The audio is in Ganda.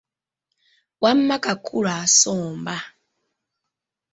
Wamma kakulu asomba.